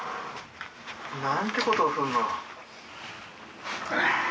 何てことをすんの。